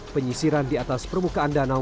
penyisiran di atas permukaan danau